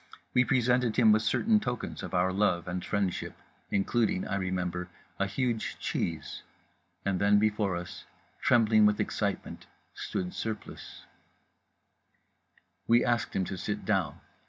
We presented him with certain tokens of our love and friendship, including—I remember—a huge cheese … and then, before us, trembling with excitement, stood Surplice— We asked him to sit down.